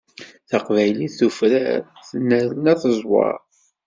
Taqbaylit tufrar, tennerna teẓweṛ.